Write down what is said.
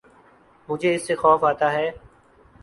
مجھے اس سے خوف آتا ہے